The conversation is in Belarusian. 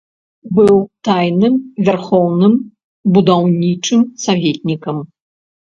Быў тайным вярхоўным будаўнічым саветнікам.